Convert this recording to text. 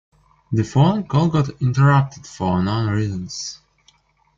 The phone call got interrupted for unknown reasons.